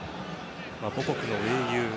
母国の英雄。